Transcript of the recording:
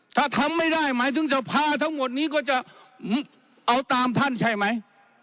ถ้าทำไม่ได้หมายถึงสภาทั้งหมดนี้ก็จะเอาตามท่านใช่ไหม